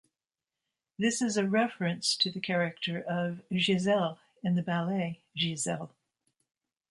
This is a reference to the character of Giselle in the ballet "Giselle".